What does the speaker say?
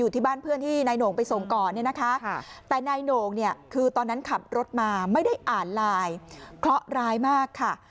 แต่นายโหน่งคือตอนนั้นขับรถมาไม่ได้อ่านไลน์เคราะร้ายมากค่ะ